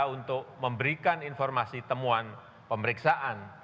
untuk memberikan informasi temuan pemeriksaan